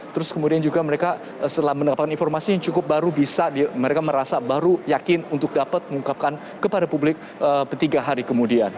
terus kemudian juga mereka setelah mendapatkan informasi yang cukup baru bisa mereka merasa baru yakin untuk dapat mengungkapkan kepada publik tiga hari kemudian